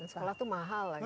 sekolah itu mahal lagi